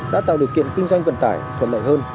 đã tạo điều kiện kinh doanh vận tải thuận lợi hơn